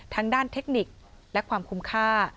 ทั้งด้านเทคนิคและความคุ้มค่า